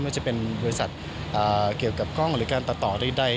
ว่าจะเป็นบริษัทเกี่ยวกับกล้องหรือการตัดต่อใด